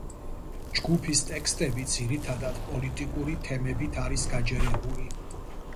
ჯგუფის ტექსტები ძირითადად პოლიტიკური თემებით არის გაჯერებული.